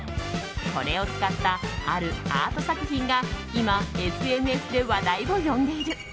これを使ったあるアート作品が今、ＳＮＳで話題を呼んでいる。